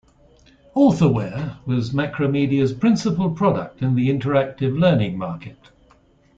Authorware was Macromedia's principal product in the interactive learning market.